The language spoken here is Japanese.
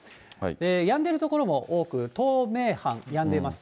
やんでる所も多く、東名阪、やんでいます。